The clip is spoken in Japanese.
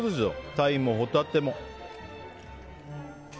タイもホタテも。